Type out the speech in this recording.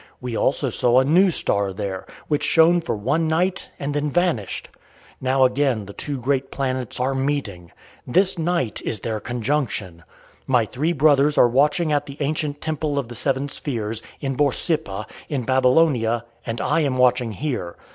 We also saw a new star there, which shone for one night and then vanished. Now again the two great planets are meeting. This night is their conjunction. My three brothers are watching at the ancient temple of the Seven Spheres, at Borsippa, in Babylonia, and I am watching here.